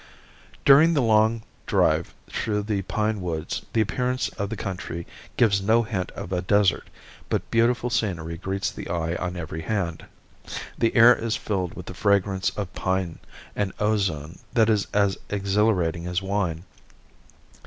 During the long drive through the pine woods the appearance of the country gives no hint of a desert, but beautiful scenery greets the eye on every hand. The air is filled with the fragrance of pine and ozone that is as exhilarating as wine.